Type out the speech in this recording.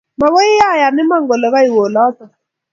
Makoy ayan iman kole koiwe olotok